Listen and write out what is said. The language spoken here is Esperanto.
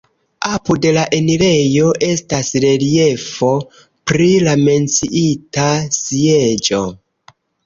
Apud la enirejo estas reliefo pri la menciita sieĝo.